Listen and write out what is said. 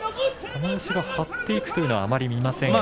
玉鷲が張っていくというのはあまり見ませんが。